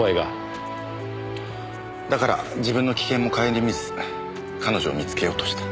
だから自分の危険も顧みず彼女を見つけようとした。